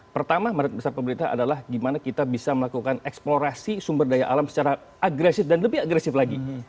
pertama mandat besar pemerintah adalah gimana kita bisa melakukan eksplorasi sumber daya alam secara agresif dan lebih agresif lagi